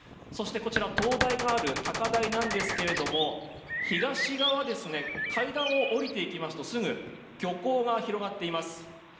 そして、こちら灯台がある高台なんですけれども、東側階段を下りていくとすぐ漁港が広がっています。